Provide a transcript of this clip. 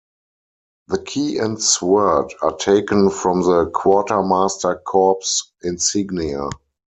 The key and sword are taken from the Quartermaster Corps insignia.